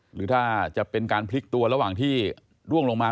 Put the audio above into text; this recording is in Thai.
หรือถ้าจะเป็นการพลิกตัวระหว่างที่ร่วงลงมา